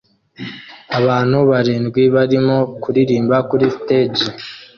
Abantu barindwi barimo kuririmba kuri stage